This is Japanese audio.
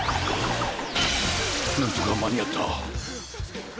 なんとかまにあった。